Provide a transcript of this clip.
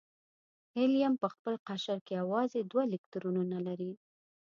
هیلیم په خپل قشر کې یوازې دوه الکترونونه لري.